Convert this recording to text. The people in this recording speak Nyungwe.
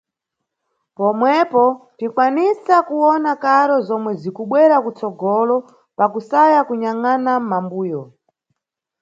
Pomwepo tinʼkwanisa kuwona karo zomwe zikubwera kutsogolo pakusaya kunyangʼana mʼmambuyo.